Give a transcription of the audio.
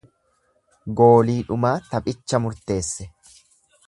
Goolii dhumaa taphicha murteesse.